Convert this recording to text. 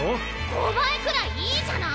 小バエくらいいいじゃない！